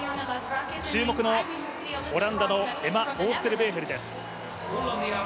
注目のオランダのエマ・オーステルベーヘルです。